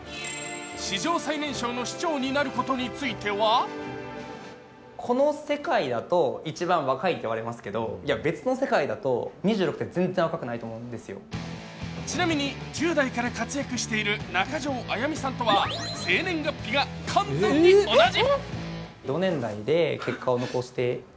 史上最年少の市長になることについてはちなみに１０代から活躍している中条あやみさんとは生年月日が完全に同じ。